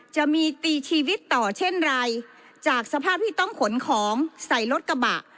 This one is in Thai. จะมีตีชีวิตต่อเช่นไรจากสภาพที่ต้องขนของใส่รถกระบะ